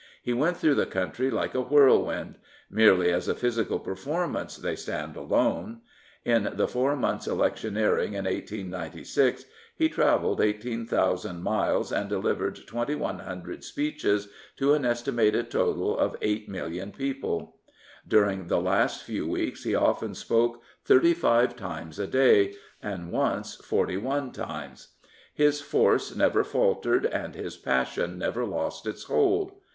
He went through the country like a whirlwind. Merely as a physical performance they stand alone. In the four months' electioneering in 1896 he travelled 18,000 miles and delivered 2100 speeches to an estimated total of 8,000,000 people. During the last few weeks he often spoke thirty five times a day, and once forty one times. His force never faltered and his passion never lost its hold.